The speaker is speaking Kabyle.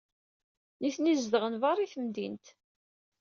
Nitni zedɣen beṛṛa i temdint.